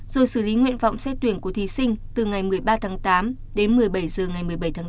rồi xử lý nguyện vọng xét tuyển của thí sinh từ ngày một mươi ba tháng tám đến một mươi bảy h ngày một mươi bảy tháng tám